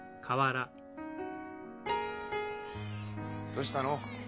どうしたの？